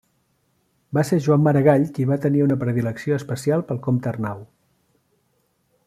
Va ser Joan Maragall qui va tenir una predilecció especial pel Comte Arnau.